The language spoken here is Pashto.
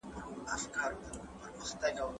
مشران چیري د اقلیتونو حقونه لټوي؟